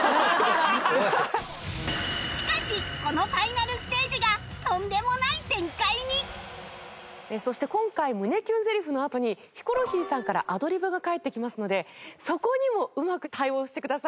しかしこのファイナルステージがそして今回胸キュンゼリフのあとにヒコロヒーさんからアドリブが返ってきますのでそこにもうまく対応してください。